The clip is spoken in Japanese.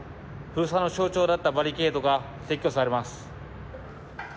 封鎖の象徴だったバリケードが撤去されます。